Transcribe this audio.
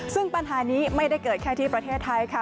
ซึ่งปัญหานี้ไม่ได้เกิดแค่ที่ประเทศไทยค่ะ